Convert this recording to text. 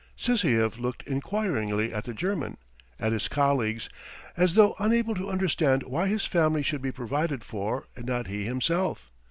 Sysoev looked enquiringly at the German, at his colleagues, as though unable to understand why his family should be provided for and not he himself.